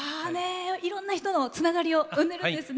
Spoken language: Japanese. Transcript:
いろんな人のつながりを生んでるんですね。